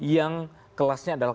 yang kelasnya adalah